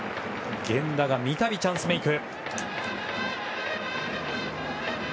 源田が三度、チャンスメイク。